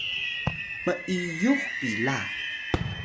m’iyux pila